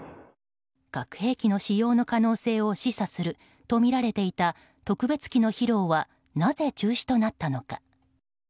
核兵器の使用の可能性を示唆するとみられていた特別機の披露はなぜ中止となったのか。